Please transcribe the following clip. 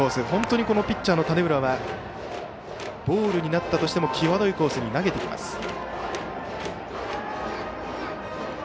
本当にピッチャーの種村はボールになったとしても際どいコースに投げてきます。